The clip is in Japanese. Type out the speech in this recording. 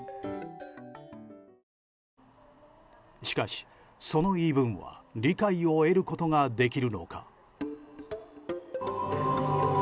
しかし、その言い分は理解を得ることができるのか。